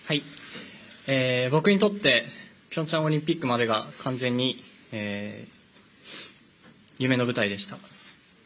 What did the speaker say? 僕にとって平昌オリンピックまでが完全に夢の舞台でした。